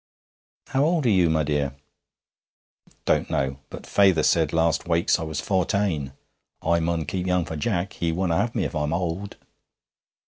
'How old are you, my dear?' 'Don't know. But feyther said last Wakes I was fourtane. I mun keep young for Jack. He wunna have me if I'm owd.'